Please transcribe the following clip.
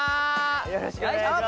よろしくお願いします。